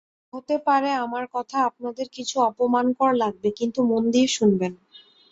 হতে পারে আমার কথা আপনাদের কিছু অপমানকর লাগবে কিন্তু মন দিয়ে শুনবেন।